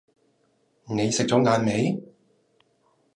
你食左晏未？